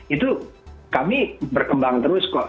itu kami berkembang terus kok